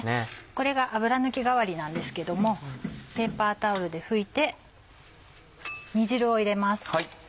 これが油抜き代わりなんですけどもペーパータオルで拭いて煮汁を入れます。